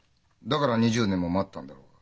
だから２０年も待ったんだろう？